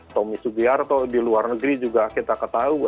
tommy sugiarto di luar negeri juga kita ketahui